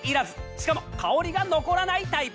しかも香りが残らないタイプ。